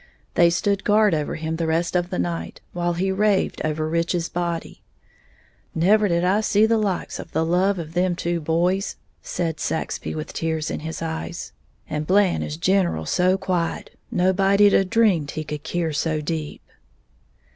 They stood guard over him the rest of the night, while he raved over Rich's body. "Never did I see the likes of the love of them two boys," said Saxby, with tears in his eyes. "And Blant in gineral so quiet, nobody'd a dreamed he could keer so deep."